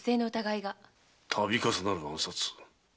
度重なる暗殺。